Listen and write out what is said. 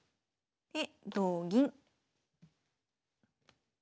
で同銀。